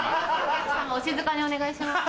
お静かにお願いします。